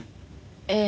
ええ。